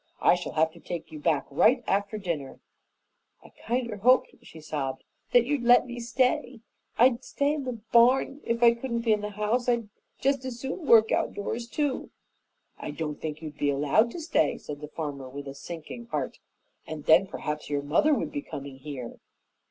I shall have to take you back right after dinner." "I kinder hoped," she sobbed, "that you'd let me stay. I'd stay in the barn if I couldn't be in the house. I'd just as soon work outdoors, too." "I don't think you'd be allowed to stay," said the farmer, with a sinking heart; "and then perhaps your mother would be coming here."